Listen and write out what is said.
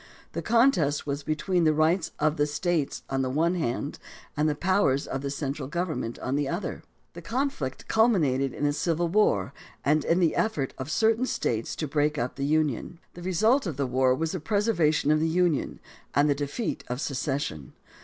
The contest was between the rights of the States on the one hand and the powers of the central government on the other. The conflict culminated in the Civil War and in the effort of certain States to break up the Union. The result of the war was the preservation of the Union and the defeat of secession.